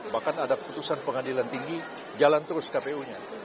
bahkan ada putusan pengadilan tinggi jalan terus kpu nya